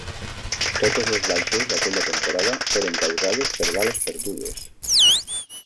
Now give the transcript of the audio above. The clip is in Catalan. Totes les baixes, aquella temporada, eren causades per bales perdudes